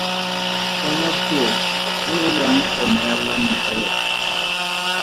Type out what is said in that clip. Kwala puo e o yang go neelana ka yona.